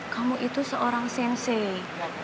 kamu itu seorang sensei